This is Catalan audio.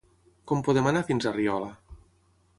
Com podem anar fins a Riola?